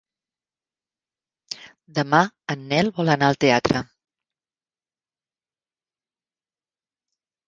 Demà en Nel vol anar al teatre.